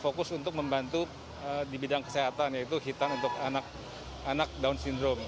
fokus untuk membantu di bidang kesehatan yaitu hitam untuk anak down syndrome